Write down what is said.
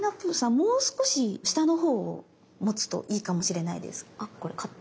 もう少し下のほうを持つといいかもしれないです。